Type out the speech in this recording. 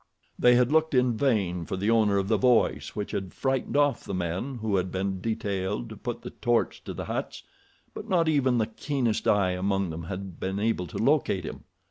They had looked in vain for the owner of the voice which had frightened off the men who had been detailed to put the torch to the huts, but not even the keenest eye among them had been able to locate him.